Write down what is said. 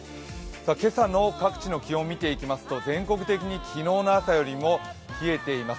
今朝の各地の気温を見ていきますと全国的に昨日の朝よりも冷えています。